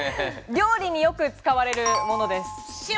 料理によく使われるものです。